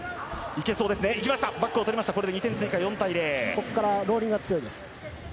ここからローリングが強いです。